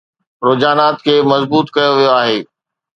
رجحانات کي مضبوط ڪيو ويو آهي